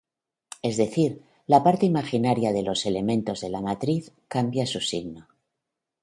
Es decir, la parte imaginaria de los elementos de la matriz cambia su signo.